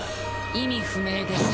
意味不明です。